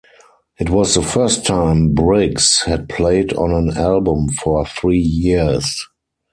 It was the first time Briggs had played on an album for three years.